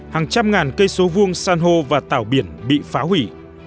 hàng trăm ngàn cây số vuông san hô và tàu biển bị phá hủy